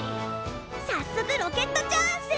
さっそくロケットチャンス！